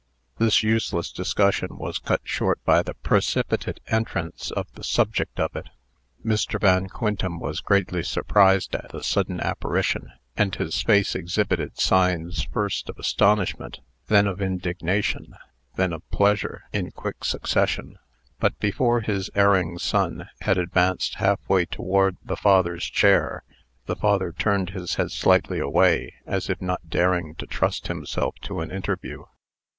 This useless discussion was cut short by the precipitate entrance of the subject of it. Mr. Van Quintem was greatly surprised at the sudden apparition, and his face exhibited signs first of astonishment, then of indignation, then of pleasure, in quick succession. But before his erring son Had advanced halfway toward the father's chair, the father turned his head slightly away, as if not daring to trust himself to an interview.